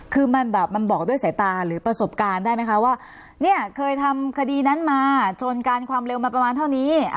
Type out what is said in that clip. คือมันแบบมันบอกด้วยสายตาหรือประสบการณ์ได้ไหมคะว่าเนี่ยเคยทำคดีนั้นมาชนกันความเร็วมาประมาณเท่านี้